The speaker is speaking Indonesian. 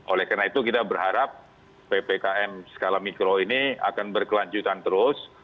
oleh karena itu kita berharap ppkm skala mikro ini akan berkelanjutan terus